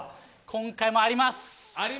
今回もあります！